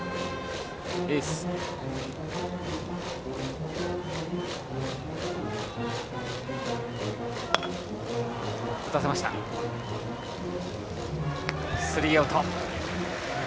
スリーアウト。